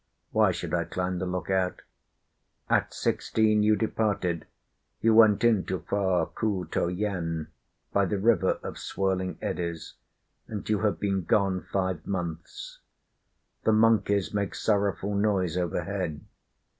Why should I climb the look out? At sixteen you departed, You went into far Ku to Yen, by the river of swirling eddies, And you have been gone five months. The monkeys make sorrowful noise overhead.